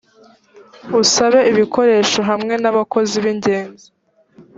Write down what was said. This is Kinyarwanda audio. usabeibikoresho hamwe n’ abakozi b’ ingenzi